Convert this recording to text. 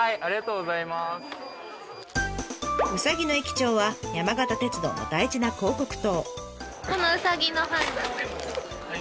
うさぎの駅長は山形鉄道の大事な広告塔。